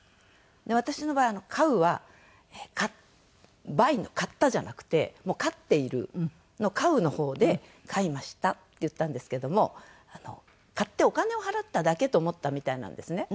私の場合「かう」は「バイ」の「買った」じゃなくて「飼っている」の「飼う」の方で「飼いました」って言ったんですけども買ってお金を払っただけと思ったみたいなんですね。